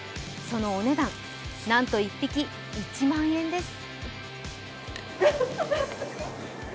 そのお値段、なんと１匹１万円です。